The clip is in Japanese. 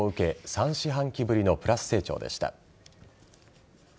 ３四半期ぶりのプラス成長でした。